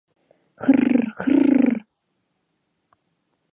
— Хр-хр!